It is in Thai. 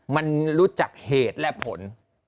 มันรู้จักเหตุและผล